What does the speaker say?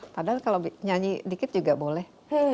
padahal kalau nyanyi dikit juga boleh